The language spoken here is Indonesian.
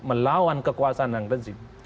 melawan kekuasaan yang rezim